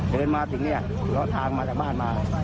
เดินมาถึงเนี่ยเลาะทางมาจากบ้านมา